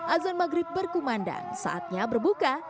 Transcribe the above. azan maghrib berkumandan saatnya berbuka